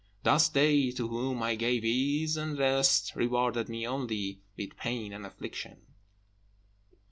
Thus they to whom I gave ease and rest rewarded me only with pain and affliction.